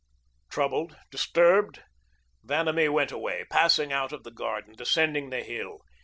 Troubled, disturbed, Vanamee went away, passing out of the garden, descending the hill.